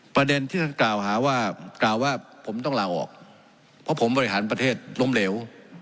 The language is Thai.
ประเด็นที่เก่าว่ากล่าวว่าผมต้องหลากออกเพราะผมบริหารประเทศร่มเรียว